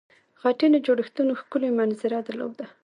خټینو جوړښتونو ښکلې منظره درلوده.